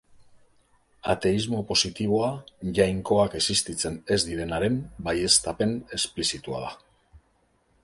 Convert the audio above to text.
Ateismo positiboa jainkoak existitzen ez direnaren baieztapen esplizitua da.